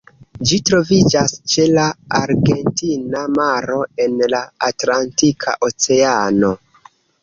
Ĝi troviĝas ĉe la Argentina Maro en la Atlantika Oceano.